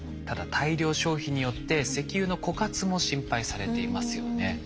ただ大量消費によって石油の枯渇も心配されていますよね。